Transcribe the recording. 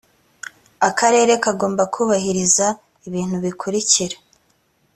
akarere kagomba kubahiriza ibintu bikurikira